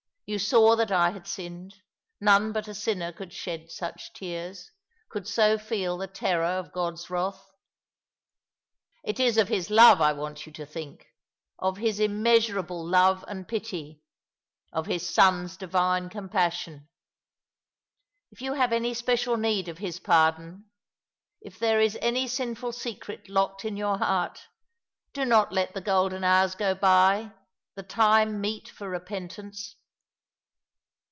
" You saw that I had sinned. None but a sinner could shed such tears— could so feel the terror of God's wrath," " It is of His love I want you to think. Of His immeasur able love and pity. Of His Son's Divine compassion. If you have any special need of His pardon ; if there is any sinful secret locked in your heart ; do not let the golden hours go by — the time meet for repentance."